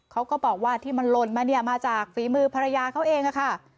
เขาก็บอกว่าที่มันหล่นมาเนี่ยมาจากฝีมือภรรยาเขาเองค่ะ